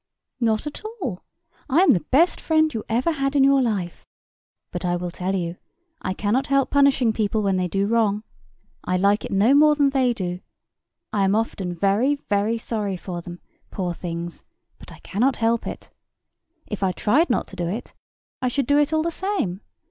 "Not at all; I am the best friend you ever had in all your life. But I will tell you; I cannot help punishing people when they do wrong. I like it no more than they do; I am often very, very sorry for them, poor things: but I cannot help it. If I tried not to do it, I should do it all the same.